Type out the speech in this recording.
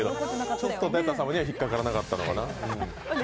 ちょっとだて様には引っかからなかったのかな。